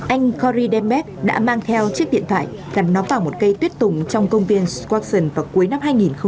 anh corey dembeck đã mang theo chiếc điện thoại gắn nó vào một cây tuyết tùng trong công viên swanson vào cuối năm hai nghìn hai mươi